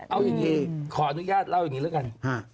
เอาอย่างนี้ขออนุญาตเล่าอย่างนี้แล้วกัน